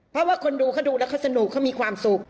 เพราะว่าคนดูเขาดูแล้วเขาสนุกเขามีความสุข